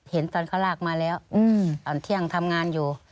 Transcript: เห็นตอนเขาลากมาแล้วตอนเที่ยงทำงานอยู่